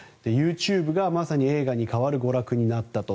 ＹｏｕＴｕｂｅがまさに映画に代わる娯楽になったと。